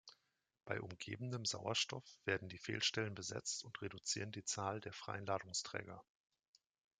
Bei umgebendem Sauerstoff werden die Fehlstellen besetzt und reduzieren die Zahl der freien Ladungsträger.